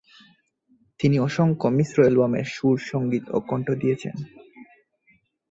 তিনি অসংখ্য মিশ্র অ্যালবামে সুর, সংগীত ও কণ্ঠ দিয়েছেন।